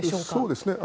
そうですね。